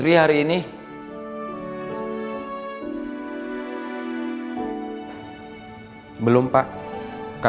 jele refmi nusa timah